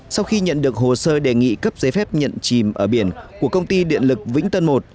sau khi nhận được hồ sơ đề nghị cấp giấy phép nhận chìm ở biển của công ty điện lực vĩnh tân một